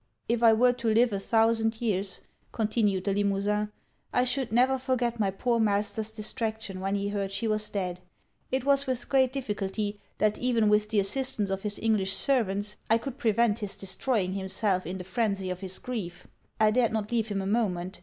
'If I were to live a thousand years,' continued Le Limosin, 'I should never forget my poor master's distraction when he heard she was dead. It was with great difficulty that even with the assistance of his English servants I could prevent his destroying himself in the phrenzy of his grief. I dared not leave him a moment.